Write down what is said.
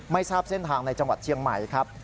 ไม่ทราบเส้นทางในจังหวัดเชียงใหม่ครับ